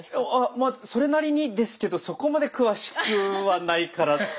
まあそれなりにですけどそこまで詳しくはないからって。